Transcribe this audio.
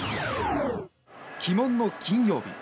鬼門の金曜日。